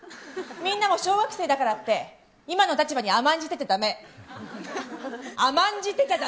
みんなも小学生だからって今の立場に甘んじてちゃダメ。